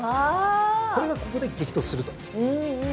これがここで激突すると。